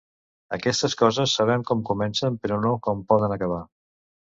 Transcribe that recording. Aquestes coses sabem com comencen però no com poden acabar.